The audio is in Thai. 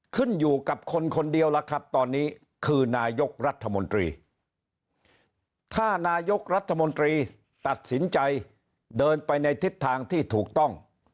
ขึ้นอยู่กับคนคนเดียวล่ะครับตอนนี้คือนายกรัฐมนตรีถ้านายกรัฐมนตรีตัดสินใจเดินไปในทิศทางที่ถูกต้อง